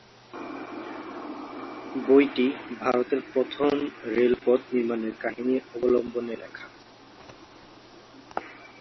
বইটি ভারতের প্রথম রেলপথ নির্মাণের কাহিনি অবলম্বনে লেখা।